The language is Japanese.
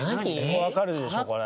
わかるでしょこれ。